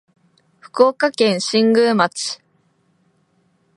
福岡県新宮町